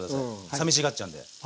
さみしがっちゃうんで。